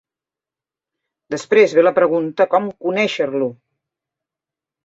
Després ve la pregunta com conèixer-lo.